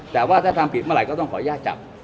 แต่ว่าถ้าทำผิดเมื่อไหร่ก็ต้องขออนุญาตจับ